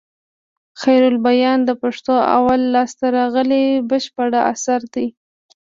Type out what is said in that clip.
خيرالبيان د پښتو اول لاسته راغلى بشپړ اثر دئ.